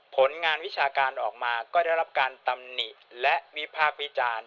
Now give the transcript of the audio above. ผลงานวิชาการออกมาก็ได้รับการตำหนิและวิพากษ์วิจารณ์